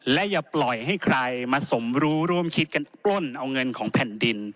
และอย่าปล่อยให้ใครมาสมรู้ร่วมคิดกันปล้นเอาเงินของแผ่นดิน